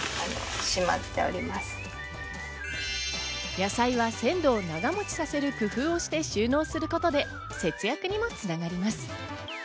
野菜は鮮度を長持ちさせる工夫をして収納することで節約にもつながります。